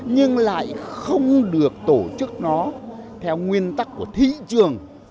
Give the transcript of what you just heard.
nhưng lại không được tổ chức nó theo nguyên tắc của thị trường